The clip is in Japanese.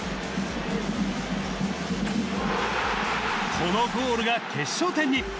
このゴールが決勝点に。